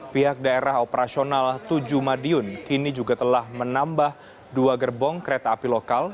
pihak daerah operasional tujuh madiun kini juga telah menambah dua gerbong kereta api lokal